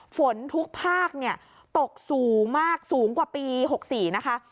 ฝนทุกภาคตกสูงมากสูงกว่าปี๖๔นะคะ